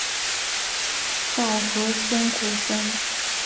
稻荷森古坟。